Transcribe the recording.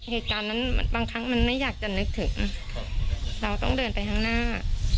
เหตุการณ์นั้นบางครั้งมันไม่อยากจะนึกถึงเราต้องเดินไปข้างหน้า